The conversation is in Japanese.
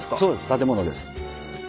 建物です。